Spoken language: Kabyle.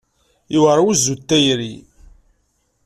Yewɛer wuzzu n tayri.